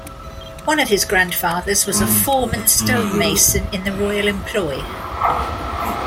One of his grandfathers was a foreman stonemason in the royal employ.